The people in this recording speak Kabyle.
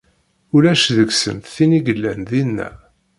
Ulac deg-sent tin i yellan dina.